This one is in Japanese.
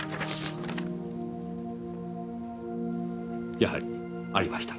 やはりありました。